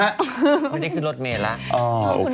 ไม่ได้ขึ้นรถเมละ